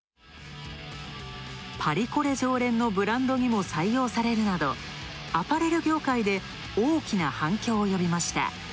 パリコレ常連のブランドにも採用されるなど、アパレル業界で大きな反響を呼びました。